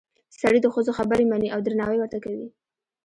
سړي د ښځو خبرې مني او درناوی ورته کوي